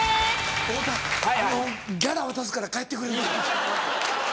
太田ギャラ渡すから帰ってくれるか？